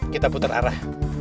kita puter arah